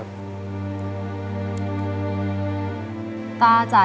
ขอบคุณครับ